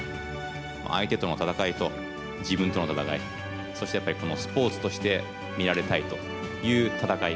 相手との戦いと自分との戦いそしてスポーツとして見られたいという戦い。